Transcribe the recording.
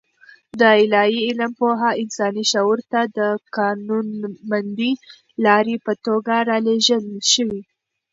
د الاهي علم پوهه انساني شعور ته د قانونمندې لارې په توګه رالېږل شوې.